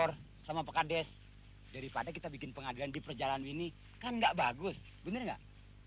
suruh aja dia lapor sama pak kades daripada kita bikin pengadilan di perjalanan ini kan enggak bagus bener enggak